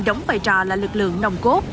đóng vai trò là lực lượng nồng cốt